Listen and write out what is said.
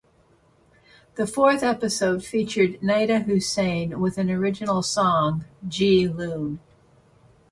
The fourth episode featured Nida Hussain with an original song "Jee Loon".